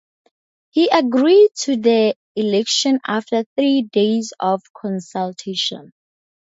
He agreed to the election after three days of consultation.